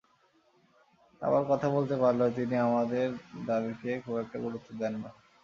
আবার কথা বলতে পারলেও তিনি আমাদের দাবিকে খুব একটা গুরুত্ব দেন না।